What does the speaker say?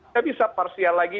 tidak bisa parsial lagi